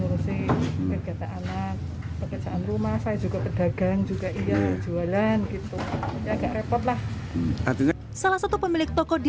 kerjaan rumah saya juga pedagang juga iya jualan gitu agak repotlah salah satu pemilik toko di